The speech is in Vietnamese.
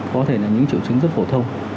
có thể là những triệu chứng rất phổ thông